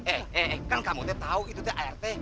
eh eh kan kamu teh tau itu teh air teh